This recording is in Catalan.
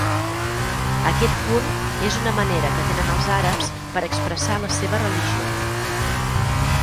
Aquest punt és una manera que tenen els àrabs per expressar la seva religió.